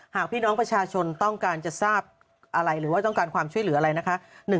หากพี่น้องประชาชนต้องการจะทราบอะไรหรือว่าต้องการความช่วยเหลืออะไรนะคะ